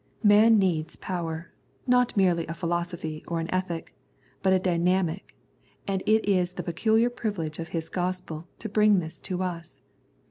Man needs power, not merely a philosophy or an ethic, but a dynamic, and it is the peculiar privilege of His Gospel to bring this to us.